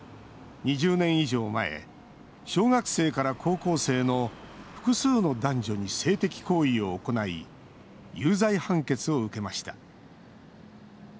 ２０年以上前小学生から高校生の複数の男女に性的行為を行い有罪判決を受けました。